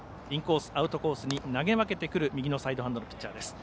インコース、アウトコースに投げ分けてくる右のサイドハンドのピッチャー。